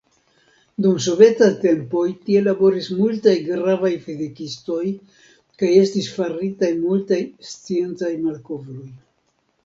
Dum sovetaj tempoj tie laboris multaj gravaj fizikistoj kaj estis faritaj multaj sciencaj malkovroj.